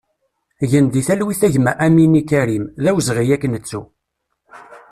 Gen di talwit a gma Amini Karim, d awezɣi ad k-nettu!